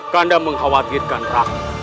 kanda mengkhawatirkan rakyat